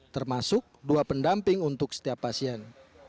termasuk dua pendamping untuk setiap pasien